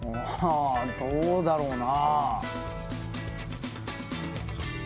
どうだろうな。